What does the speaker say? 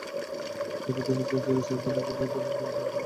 তবে বিদ্রোহীরা চাইছে, বেসামরিক মানুষজনও যেন তাদের সঙ্গে পালানোর সুযোগ পায়।